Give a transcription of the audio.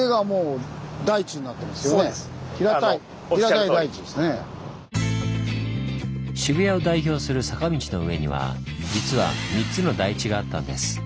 やっぱ渋谷を代表する坂道の上には実は３つの台地があったんです。